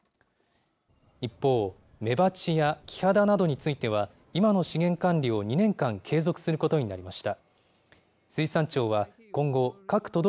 一方、メバチやキハダなどについては、今の資源管理を２年間継続することになりました。